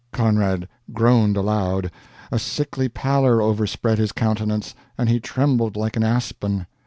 Conrad groaned aloud. A sickly pallor overspread his countenance, and he trembled like an aspen.